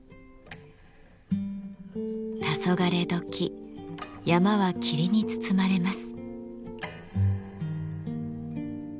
たそがれどき山は霧に包まれます。